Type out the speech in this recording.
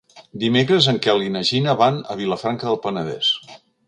Dimecres en Quel i na Gina van a Vilafranca del Penedès.